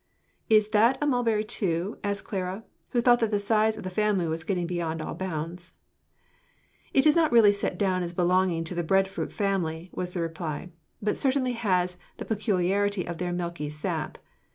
"Is that a mulberry too?" asked Clara, who thought that the size of the family was getting beyond all bounds. "It is not really set down as belonging to the bread fruit family," was the reply, "but it certainly has the peculiarity of their milky sap.